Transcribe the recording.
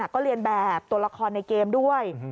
ก็เรียนแบบตัวละครในเกมด้วย